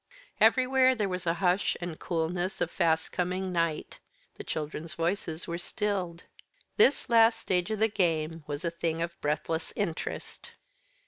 Everywhere there was the hush and coolness of fast coming night. The children's voices were stilled. This last stage of the game was a thing of breathless interest.